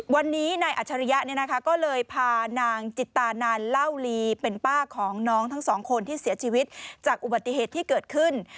วันนี้นายอัจฉริยะก็เลยพานางจิตานานเล่าลีเป็นป้าของน้องทั้งสองคนที่เสียชีวิตจากอุบัติเหตุที่เกิดขึ้น